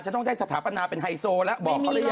ต้องได้สถาปนาเป็นไฮโซแล้วบอกเขาได้ยังไง